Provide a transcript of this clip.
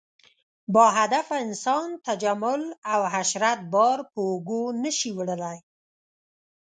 باهدفه انسان تجمل او عشرت بار په اوږو نه شي وړلی.